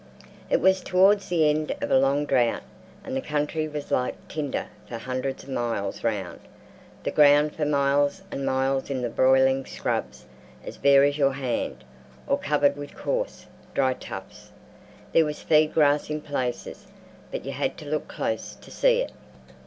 It was towards the end of a long drought, and the country was like tinder for hundreds of miles round—the ground for miles and miles in the broiling scrubs "as bare as your hand," or covered with coarse, dry tufts. There was feed grass in places, but you had to look close to see it.